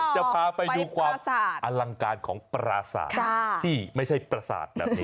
จะพาไปดูความอลังการของปราศาสตร์ที่ไม่ใช่ประสาทแบบนี้